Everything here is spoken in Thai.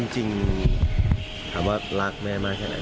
จริงแหลกแม่มากที่ไหน